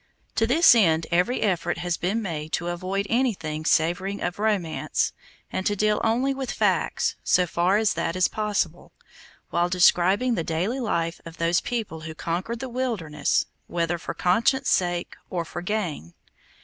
To this end every effort has been made to avoid anything savoring of romance, and to deal only with facts, so far as that is possible, while describing the daily life of those people who conquered the wilderness whether for conscience sake or for gain.